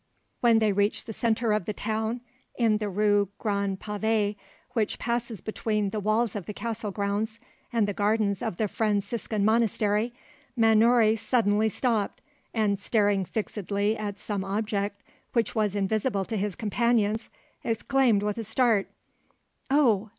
When they reached the centre of the town in the rue Grand Pave, which passes between the walls of the castle grounds and the gardens of the Franciscan monastery, Mannouri suddenly stopped, and, staring fixedly at some object which was invisible to his companions, exclaimed with a start— "Oh!